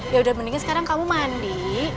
ya udah mendingan sekarang kamu mandi